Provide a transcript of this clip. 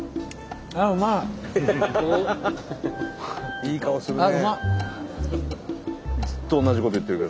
いい顔するね。